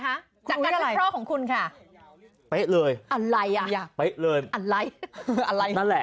จากการวิเคราะห์ของคุณค่ะเป๊ะเลยอะไรอ่ะเป๊ะเลยอะไรอะไรนั่นแหละ